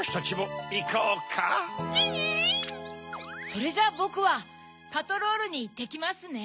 それじゃあぼくはパトロールにいってきますね。